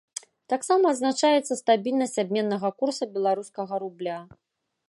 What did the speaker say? Таксама адзначаецца стабільнасць абменнага курса беларускага рубля.